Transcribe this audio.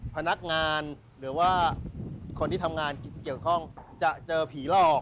พนักงานหรือว่าคนที่ทำงานเกี่ยวข้องจะเจอผีหลอก